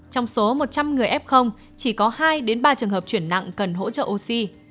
trong số một trăm linh người f chỉ có hai ba trường hợp chuyển nặng cần hỗ trợ oxy